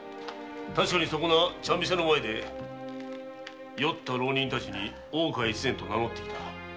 確かにそこの茶店の前で酔った浪人たちに大岡越前と名のった。